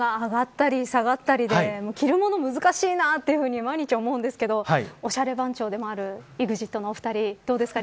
ただ、気温が上がったり下がったりで、着るものが難しいなと毎日思うんですけどおしゃれ番長でもあるＥＸＩＴのお二人、どうですか。